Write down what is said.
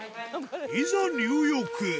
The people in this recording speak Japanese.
いざ、入浴。